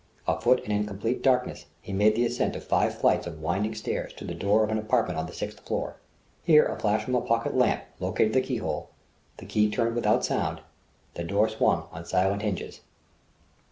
Afoot and in complete darkness he made the ascent of five flights of winding stairs to the door of an apartment on the sixth floor. Here a flash from a pocket lamp located the key hole; the key turned without sound; the door swung on silent hinges.